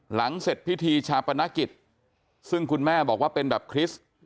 หลังเสร็จพิธีชาปนกิจซึ่งคุณแม่บอกว่าเป็นแบบคริสต์